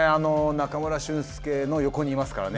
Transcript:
中村俊輔の横にいますからね。